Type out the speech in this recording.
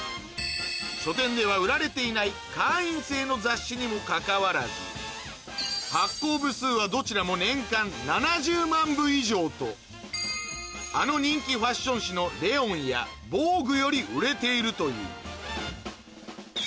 書店では売られていない会員制の雑誌にもかかわらず発行部数はどちらも年間７０万部以上とあの人気ファッション誌のその「ヌケ顔大公開！」